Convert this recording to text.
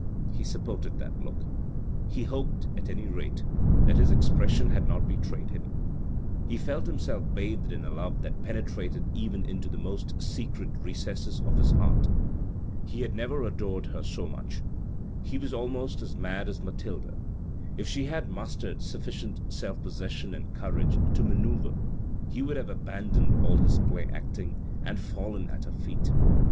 He supported that look. He hoped, at anynate, that his expression had not betrayed him. A BOX AT THE BOUFFES 433 He felt himself bathed in a love that penetrated even into the most secret recesses of his heart. He had never adored her so much ; he was almost as mad as Mathilde. If she had mustered sufficient self possession and courage to manoeuvre, he would have abandoned all his play acting, and fallen at her feet.